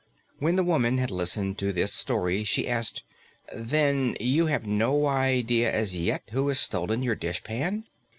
When the woman had listened to this story, she asked, "Then you have no idea as yet who has stolen your dishpan?"